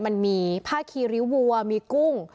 มันมีผ้าคีริ้ววัวมีกุ้ง